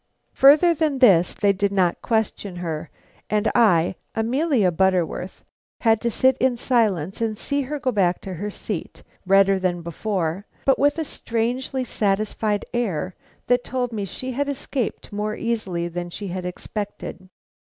Further than this they did not question her, and I, Amelia Butterworth, had to sit in silence and see her go back to her seat, redder than before, but with a strangely satisfied air that told me she had escaped more easily than she had expected.